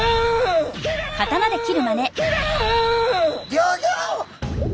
ギョギョッ！？